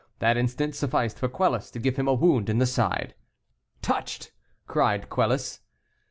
That instant sufficed for Quelus to give him a wound in the side. "Touched," cried Quelus.